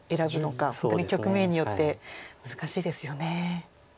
本当に局面によって難しいですよね。